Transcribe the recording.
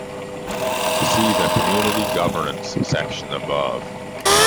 See the "Community governance" section, above.